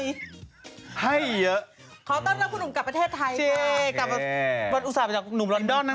สวัสดีค่ะให้เยอะขอต้อนรับคุณหนุ่มกลับประเทศไทยค่ะบรรทุษศาสตร์จากหนุ่มลอนดอนนะฮะ